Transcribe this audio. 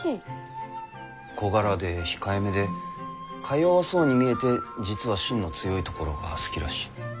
小柄で控えめでかよわそうに見えて実はしんの強いところが好きらしい。